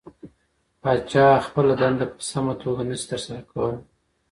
پاچا خپله دنده په سمه توګه نشي ترسره کولى .